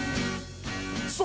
そう。